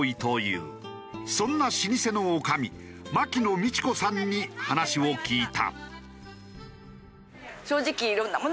そんな老舗の女将牧野美千子さんに話を聞いた。